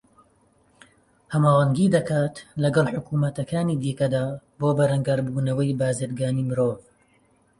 ھەماھەنگی دەکات لەگەڵ حوکمەتەکانی دیکەدا بۆ بەرەنگاربوونەوەی بازرگانیی مرۆڤ